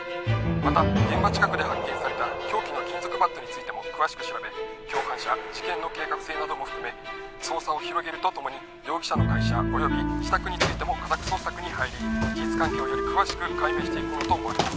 「また現場近くで発見された凶器の金属バットについても詳しく調べ共犯者事件の計画性なども含め捜査を広げるとともに容疑者の会社及び自宅についても家宅捜索に入り事実関係をより詳しく解明していくものと思われます」